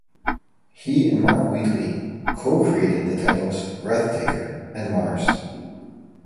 He and Mark Wheatley co-created the titles "Breathtaker" and "Mars".